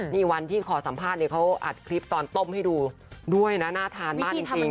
นี่วันที่ขอสัมภาษณ์ตอนคลิปซ่อมให้ดูด้วยน่าทานมากจริง